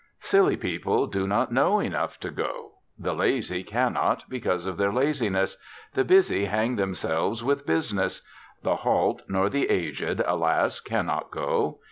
Silly people do not know enough to go. The lazy cannot, because of their laziness. The busy hang themselves with business. The halt nor the aged, alas! cannot go.